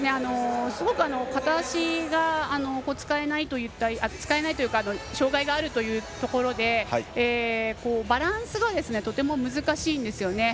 片足が使えないというか障がいがあるというところでバランスがとても難しいんですよね。